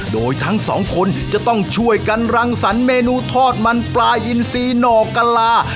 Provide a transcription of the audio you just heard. โดยทั้งสองคนจะต้องช่วยกันรังสรรคเมนูทอดมันปลาอินซีหน่อกะลา